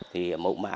thì mẫu mã